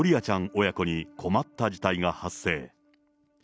ちゃん親子に困った事態が発生。